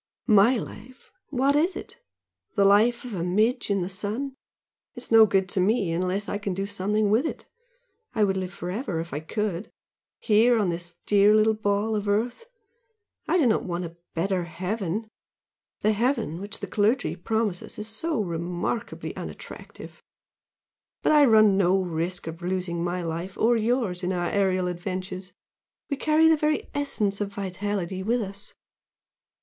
"My life? What is it? The life of a midge in the sun! It is no good to me unless I do something with it! I would live for ever if I could! here, on this dear little ball of Earth I do not want a better heaven. The heaven which the clergy promise us is so remarkably unattractive! But I run no risk of losing my life or yours in our aerial adventures; we carry the very essence of vitality with us.